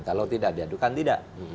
kalau tidak diadukan tidak